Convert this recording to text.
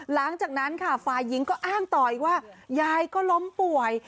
หลังจากนั้นค่ะฝ่ายหญิงก็อ้างต่ออีกว่ายายก็ล้มป่วย